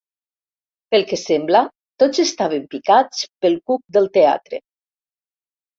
Pel que sembla, tots estaven picats pel cuc del teatre.